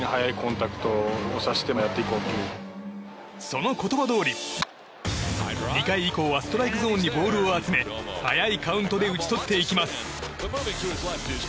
その言葉どおり、２回以降はストライクゾーンにボールを集め早いカウントで打ち取っていきます。